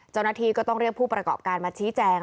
เจ้าหน้าที่ก็ต้องเรียกผู้ประกอบการมาชี้แจง